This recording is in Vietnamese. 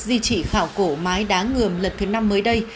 di trì khảo cổ mái đáng ngườm lần thứ năm mới đây